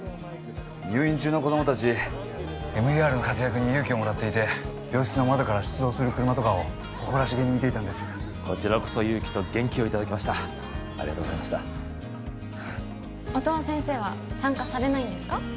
入院中の子供達ＭＥＲの活躍に勇気をもらっていて病室の窓から出動する車とかを誇らしげに見ていたんですこちらこそ勇気と元気をいただきましたありがとうございました音羽先生は参加されないんですか？